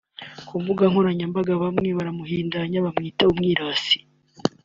Ku mbuga nkoranyambaga bamwe baramuhindanya bamwita umwirasi